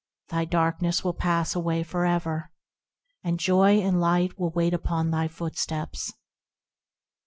Thy darkness will pass away for ever, And joy and light will wait upon thy footsteps.